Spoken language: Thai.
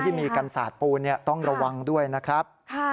ที่มีกันสาดปูนเนี่ยต้องระวังด้วยนะครับ